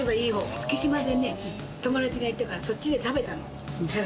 月島で友達がいたからそっちで食べたの。